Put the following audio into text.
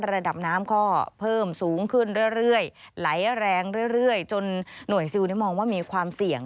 ระดับน้ำข้อเพิ่มสูงขึ้นเรื่อยเรื่อยไหลแรงเรื่อยเรื่อยจนหน่วยซิลเนี้ยมองว่ามีความเสี่ยง